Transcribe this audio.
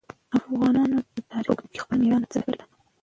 افغانانو د تاریخ په اوږدو کې خپل مېړانه ثابته کړې ده.